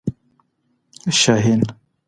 شاهین